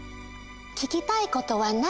聞きたいことは何？